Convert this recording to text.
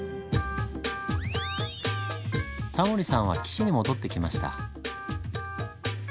タモリさんは岸に戻ってきました。